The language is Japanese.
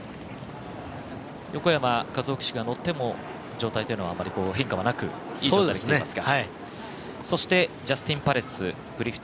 横山和生騎手が乗っても状態に変化はなくいい状態できていますか？